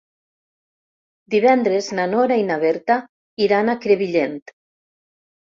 Divendres na Nora i na Berta iran a Crevillent.